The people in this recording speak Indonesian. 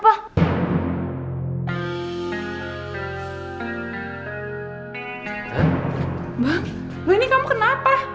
bang bang ini kamu kenapa